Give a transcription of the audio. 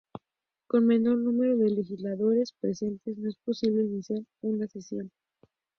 Con menor número de legisladores presentes no es posible iniciar una sesión.